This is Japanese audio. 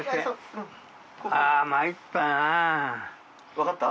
分かった？